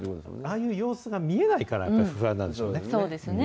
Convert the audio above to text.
ああいう様子が見えないから、不安なんでしょうね。